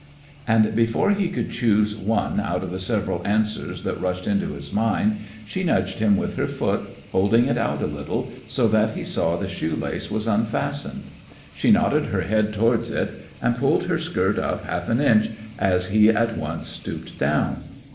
And, before he could choose one out of the several answers that rushed into his mind, she nudged him with her foot, holding it out a little so that he saw the shoelace was unfastened. She nodded her head towards it, and pulled her skirt up half an inch as he at once stooped down.